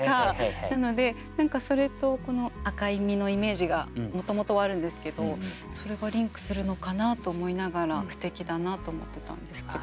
なので何かそれと赤い実のイメージがもともとはあるんですけどそれがリンクするのかなと思いながらすてきだなと思ってたんですけど。